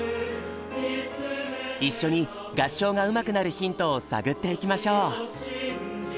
一緒に合唱がうまくなるヒントを探っていきましょう！